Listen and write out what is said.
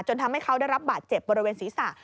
ทำให้เขาได้รับบาดเจ็บบริเวณศีรษะ